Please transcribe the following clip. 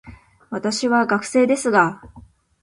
私は学生ですが、